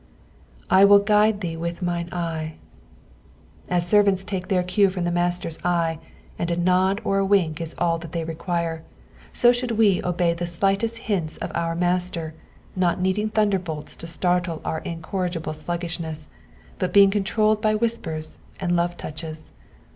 "Iieill guida t&ee with mint ej/e." As serraata take their cue from the master's eye, and a nod or a wink is all that they require, so should we obey the slightest hints of our Master, not needing thunderbolts to startle our incorrigible stuggishncss, but being controlled by whispers and love touches.